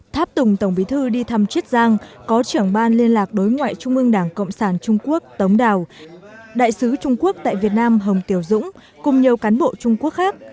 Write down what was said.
tháp tùng tổng bí thư đi thăm chiết giang có trưởng ban liên lạc đối ngoại trung ương đảng cộng sản trung quốc tống đào đại sứ trung quốc tại việt nam hồng kiều dũng cùng nhiều cán bộ trung quốc khác